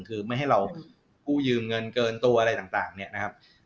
คือไม่ให้เรากู้ยืมเงินเกินตัวอะไรต่างเนี่ยนะครับ